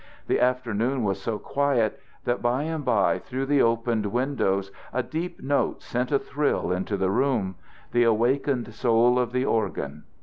The afternoon was so quiet that by and by through the opened windows a deep note sent a thrill into the room the awakened soul of the organ.